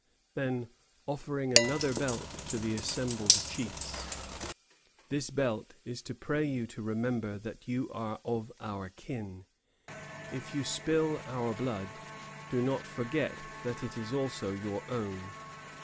Then, offering another belt to the assembled chiefs, "This belt is to pray you to remember that you are of our kin. If you spill our blood, do not forget that it is also your own.